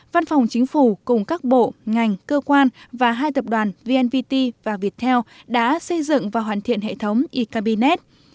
văn phòng chính phủ cùng các bộ ngành cơ quan và hai tập đoàn vnpt và viettel đã xây dựng và hoàn thiện hệ thống e cabinet